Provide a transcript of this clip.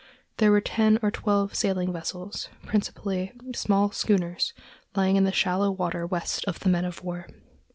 There were ten or twelve sailing vessels, principally small schooners lying in the shallow water west of the men of war.